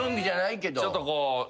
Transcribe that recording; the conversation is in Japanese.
ちょっとこう。